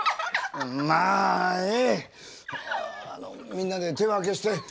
みんなで手分けして。